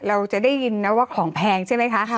เราจะได้ยินนะว่าของแพงใช่ไหมคะ